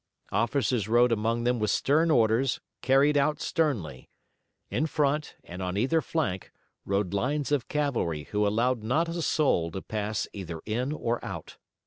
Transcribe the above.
Officers rode among them with stern orders, carried out sternly. In front, and on either flank, rode lines of cavalry who allowed not a soul to pass either in or out.